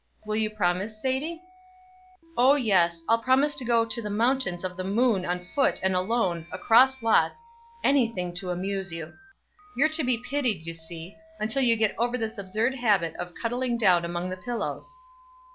"Will you promise, Sadie?" "Oh yes, I'll promise to go to the mountains of the moon on foot and alone, across lots any thing to amuse you. You're to be pitied, you see, until you get over this absurd habit of cuddling down among the pillows."